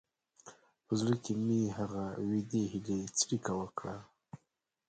په زړه کې مې هغه وېډې هیلې څړیکه وکړه.